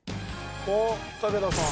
あっ武田さん。